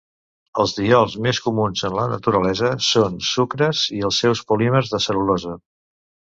Els diols més comuns en la naturalesa són sucres i els seus polímers, de cel·lulosa.